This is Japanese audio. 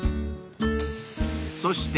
［そして］